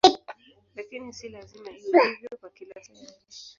Lakini si lazima iwe hivyo kwa kila sayari.